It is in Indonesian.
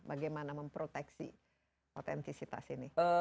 bagaimana memproteksi autentisitas ini